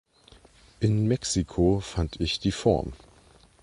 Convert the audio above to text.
In Mexico fand ich die Form.